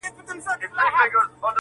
دا بېچاره به ښـايــي مــړ وي.